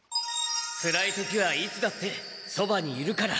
つらいときはいつだってそばにいるから。